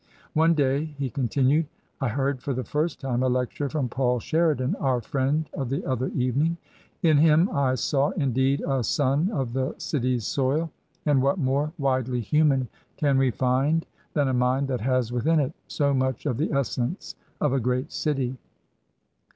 One day," he con tinued, " I heard for the first time a lecture from Paul Sheridan, our friend of the other evening. In him I saw, indeed, a son of the city's soil. And what more widely human can we find than a mind that has within it so much of the essence of a g^eat city